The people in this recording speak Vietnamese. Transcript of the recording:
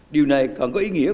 điều này còn có ý nghĩa